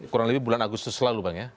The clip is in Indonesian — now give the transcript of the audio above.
kurang lebih bulan agustus lalu bang ya